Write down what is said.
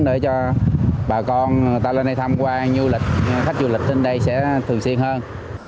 để cho bà con ta lên đây tham quan khách du lịch trên đây sẽ thường xuyên hơn